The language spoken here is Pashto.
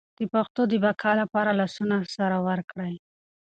د پښتو د بقا لپاره لاسونه سره ورکړئ.